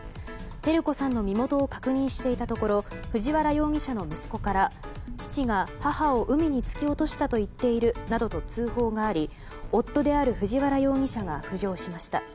照子さんの身元を確認していたところ藤原容疑者の息子から父が母を海に突き落としたと言っているなどと通報があり夫である藤原容疑者が浮上しました。